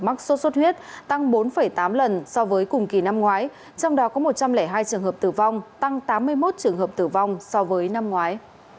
mắc sốt xuất huyết tăng bốn tám lần so với cùng kỳ năm ngoái trong đó có một trăm linh hai trường hợp tử vong tăng tám mươi một trường hợp tử vong so với năm ngoái